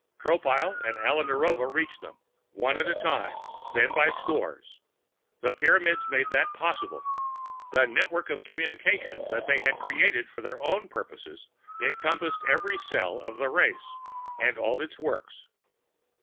Tropile and Alla Narova reached them one at a time, then by scores. The Pyramids made that possible. The network of communication that they had created for their own purposes encompassed every cell of the race and all its works.